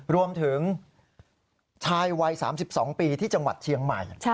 รวมถึงชายวัย๓๒ปีที่จังหวัดเชียงใหม่